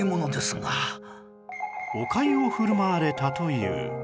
おかゆを振る舞われたという